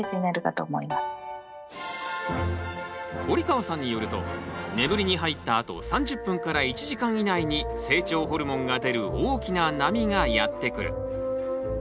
堀川さんによると眠りに入ったあと３０分から１時間以内に成長ホルモンが出る大きな波がやってくる。